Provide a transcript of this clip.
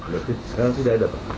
berarti sekarang sudah ada